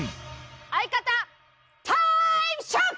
相方タイムショック！